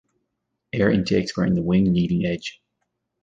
Air intakes were in the wing leading edge.